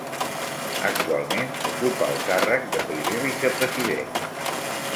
Actualment ocupa el càrrec de Primer Vicepresident.